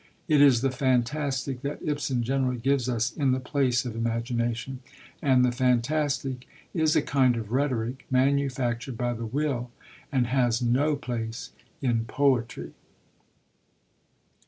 It is the fantastic that Ibsen generally gives us in the place of imagination; and the fantastic is a kind of rhetoric, manufactured by the will, and has no place in poetry.